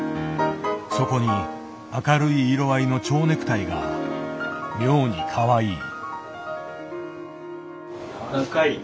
そこに明るい色合いのちょうネクタイが妙にかわいい。